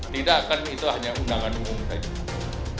tidak kan itu hanya undangan umum saja